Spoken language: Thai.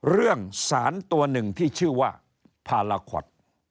เรื่องสารตัวหนึ่งที่ชื่อว่าพาราคอต